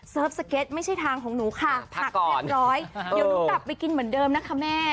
สเก็ตไม่ใช่ทางของหนูค่ะผักเรียบร้อยเดี๋ยวหนูกลับไปกินเหมือนเดิมนะคะแม่